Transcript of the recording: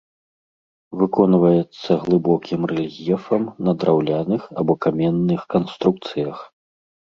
Выконваецца глыбокім рэльефам на драўляных або каменных канструкцыях.